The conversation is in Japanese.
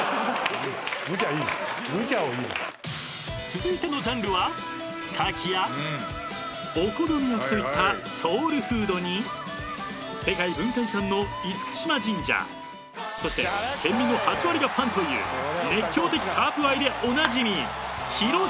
［続いてのジャンルはカキやお好み焼きといったソウルフードに世界文化遺産の嚴島神社そして県民の８割がファンという熱狂的カープ愛でおなじみ］